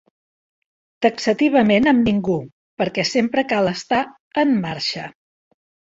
Taxativament amb ningú, perquè sempre cal estar «en marxa».